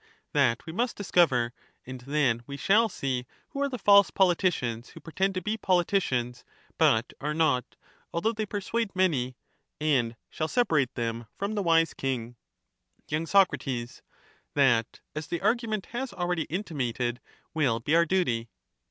That we must discover, and then we shall see who voluntary are the false politicians who pretend to be politicians but are ^^ invoiun not, although they persuade many, and shall separate them |^'jt ^* from the wise king. sdeniific. y. Sac. That, as the argument has already intimated, will be our duty.